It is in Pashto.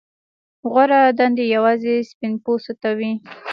غوره دندې یوازې سپین پوستو ته وې.